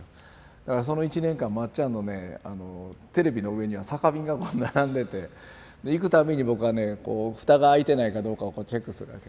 だからその一年間まっちゃんのねテレビの上には酒瓶が並んでて行く度に僕がね蓋が開いてないかどうかをチェックするわけ。